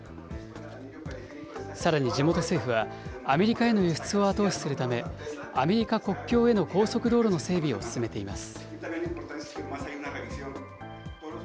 さらに、地元政府はアメリカへの輸出を後押しするため、アメリカ国境への高速道路の整備を進めています。